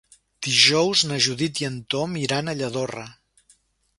Dijous na Judit i en Tom iran a Lladorre.